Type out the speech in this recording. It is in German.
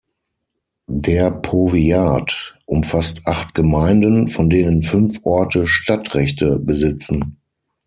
Der Powiat umfasst acht Gemeinden von denen fünf Orte Stadtrechte besitzen.